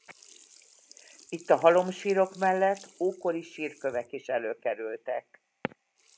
Itt a halomsírok mellett ókori sírkövek is előkerültek.